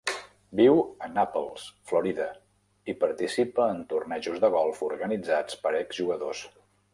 Viu a Naples, Florida, i participa en tornejos de golf organitzats per exjugadors.